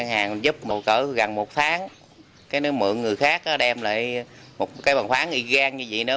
hàng giúp một cỡ gần một tháng cái nó mượn người khác đó đem lại một cái bằng khoáng y gan như vậy nữa